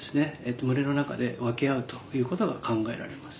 群れの中で分け合うということが考えられます。